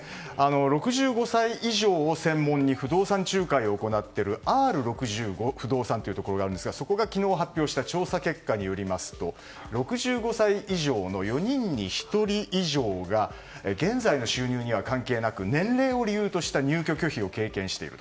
６５歳以上を専門に不動産仲介を行っているＲ６５不動産というところがあるんですがそこが昨日発表した調査結果によりますと６５歳以上の４人に１人以上が現在の収入には関係なく年齢を理由とした入居拒否を経験している。